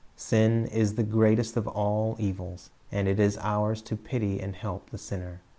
Sin is the greatest of all evils, and it is ours to pity and help the sinner.